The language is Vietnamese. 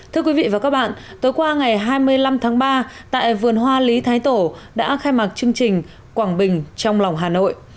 thưa quý vị và các bạn tối qua ngày hai mươi năm tháng ba tại vườn hoa lý thái tổ đã khai mạc chương trình quảng bình trong lòng hà nội